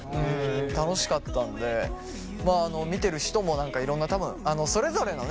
楽しかったんで見てる人も何かいろんな多分それぞれのね